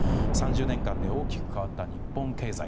３０年間で大きく変わった日本経済。